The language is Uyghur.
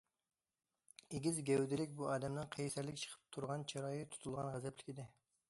ئېگىز، گەۋدىلىك بۇ ئادەمنىڭ قەيسەرلىك چىقىپ تۇرغان چىرايى تۇتۇلغان، غەزەپلىك ئىدى.